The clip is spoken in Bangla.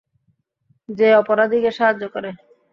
যে অপরাধীকে সাহায্য করে।